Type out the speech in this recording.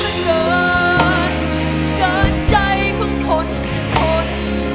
และเกิดเกิดใจของคนจะทน